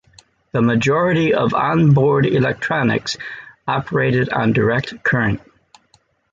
The majority of onboard electronics operated on direct current.